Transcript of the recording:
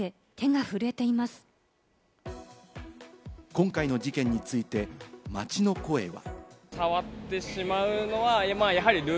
今回の事件について街の声は。